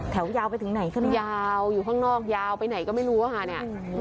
แถวยาวไปถึงไหนคะเนี่ยยาวอยู่ข้างนอกยาวไปไหนก็ไม่รู้ค่ะ